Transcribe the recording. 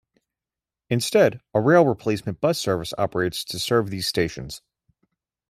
Instead, a rail replacement bus service operates to serve these stations.